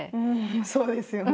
そうですよね。